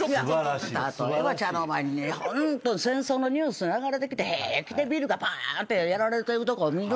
例えば茶の間にね戦争のニュース流れてきて平気でビルがバーンってやられてるとこを見る。